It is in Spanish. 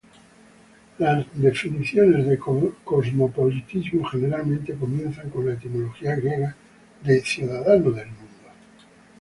Las definiciones de cosmopolitismo generalmente comienzan con la etimología griega de "ciudadano del mundo".